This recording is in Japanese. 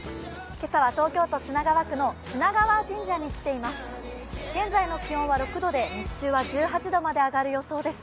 今朝は東京都品川区の品川神社に来ています。